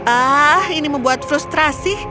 ah ini membuat frustrasi